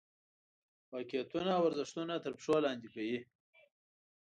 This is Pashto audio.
واقعیتونه او ارزښتونه تر پښو لاندې کوي.